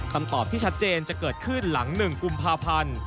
คำตอบที่ชัดเจนจะเกิดขึ้นหลัง๑กุมภาพันธ์